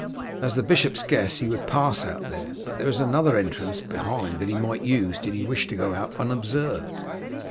As the bishop's guest he would pass out there, but there is another entrance behind that he might use did he wish to go out unobserved.